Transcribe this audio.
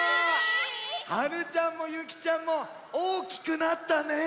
はるちゃんもゆきちゃんもおおきくなったね！